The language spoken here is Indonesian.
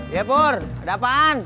ya pur ada apaan